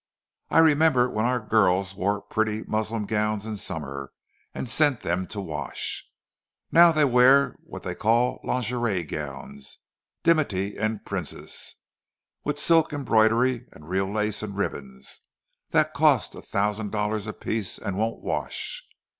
I can remember when our girls wore pretty muslin gowns in summer, and sent them to wash; now they wear what they call lingerie gowns, dimity en princesse, with silk embroidery and real lace and ribbons, that cost a thousand dollars apiece and won't wash.